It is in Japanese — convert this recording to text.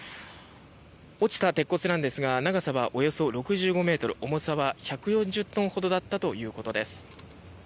落ちた鉄骨なんですが長さはおよそ６５ｍ重さは１４０トンほどだったということです。